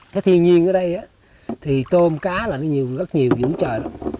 cái thiên nhiên ở đây thì tôm cá là nó nhiều rất nhiều dưỡng trời